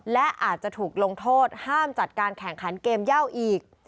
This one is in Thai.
และอาจจะถูกลงโทษห้ามจัดการแข่งขันเกมเย่าอีก